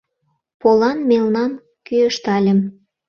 Полан мелнам кӱэштальым.